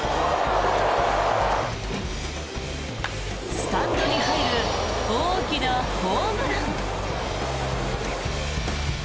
スタンドに入る大きなホームラン。